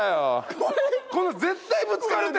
これ絶対ぶつかるって！